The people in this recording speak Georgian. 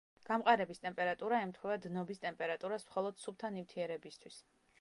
გამყარების ტემპერატურა ემთხვევა დნობის ტემპერატურას მხოლოდ სუფთა ნივთიერებისთვის.